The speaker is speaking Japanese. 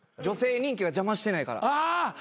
女性人気が邪魔してないから。